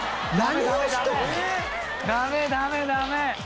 ダメダメダメ！